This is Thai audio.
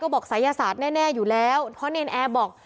บอกศัยศาสตร์แน่อยู่แล้วเพราะเนรนแอร์บอก